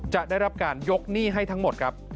จะได้รับการยกหนี้ให้ทั้งหมดครับ